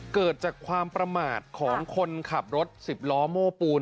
เกิดจากความประมาทของคนขับรถ๑๐ล้อโม่ปูน